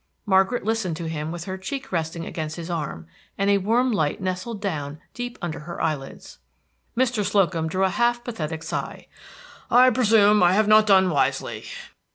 Margaret listened to him with her cheek resting against his arm, and a warm light nestled down deep under her eyelids. Mr. Slocum drew a half pathetic sigh. "I presume I have not done wisely.